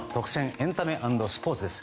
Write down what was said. エンタメ＆スポーツです。